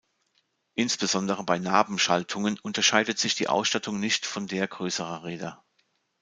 Insbesondere bei Nabenschaltungen unterscheidet sich die Ausstattung nicht von der größerer Räder.